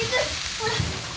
ほら。